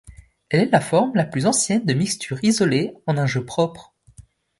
Elle est la forme la plus ancienne de mixture isolée en un jeu propre.